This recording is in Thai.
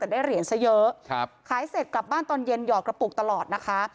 แต่ได้เหรียญซะเยอะครับขายเสร็จกลับบ้านตอนเย็นหอดกระปุกตลอดนะคะ